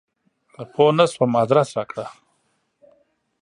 پوه نه شوم ادرس راکړه !